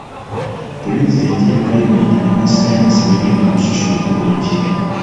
Pulezidenti yagambye nti bannassaayansi bagenda kusasulwa bulungi.